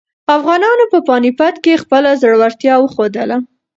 افغانانو په پاني پت کې خپله زړورتیا وښودله.